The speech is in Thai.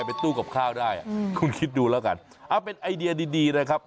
เป็นตู้กับข้าวได้คุณคิดดูแล้วกันเป็นไอเดียดีดีนะครับ